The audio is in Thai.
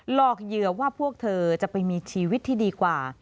หลอกเหยื่อว่าพวกเธอจะไปมีชีวิตที่ดีกว่า